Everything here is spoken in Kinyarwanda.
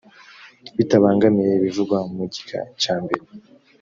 bitabangamiye ibivugwa mu gika cya mbere